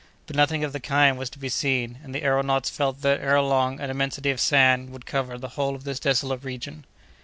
But nothing of the kind was to be seen, and the aëronauts felt that, ere long, an immensity of sand would cover the whole of this desolate region.